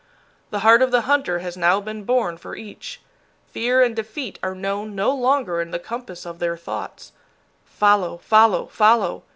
The heart of the hunter has now been born for each. Fear and defeat are known no longer in the compass of their thoughts. Follow, follow, follow!